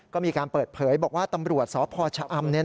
ก็มีการเปิดเผยบอกว่าตำรวจสพชะอำ